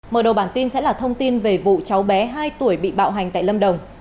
mở đầu bản tin sẽ là thông tin về vụ cháu bé hai tuổi bị bạo hành tại lâm đồng